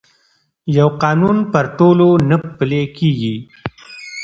یو قانون پر ټولو نه پلي کېږي.